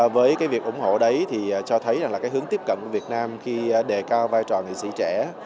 với việc ủng hộ đấy cho thấy hướng tiếp cận của việt nam khi đề cao vai trò nghị sĩ trẻ